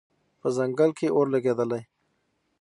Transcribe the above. په ځنګل کې اور لګېدلی دی